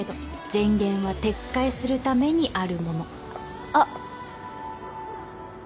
前言は撤回するためにあるものあっ！